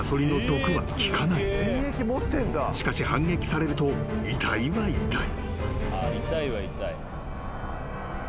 ［しかし反撃されると痛いは痛い］